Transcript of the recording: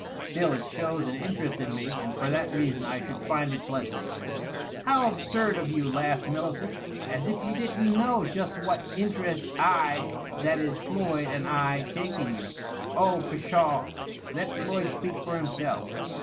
" Still, it shows an interest in me, and for that reason I should find it pleasant." "How absurd of you!" laughed Millicent. "As if you didn't know iust what interest I — ^that is, Floyd and I — ^take in youl" " Oh, pshaw I let Floyd speak for himself."